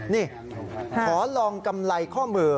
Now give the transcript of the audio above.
นี่ขอลองกำไรข้อมือ